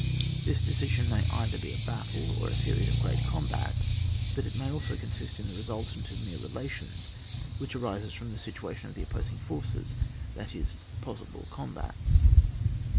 This decision may be either a battle, or a series of great combats, but it may also consist in the resultant of mere relations, which arise from the situation of the opposing forces, that is, possible combats.